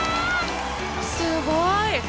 すごい。